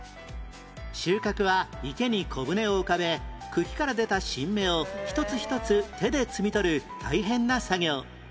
収穫は池に小舟を浮かべ茎から出た新芽を一つ一つ手で摘み取る大変な作業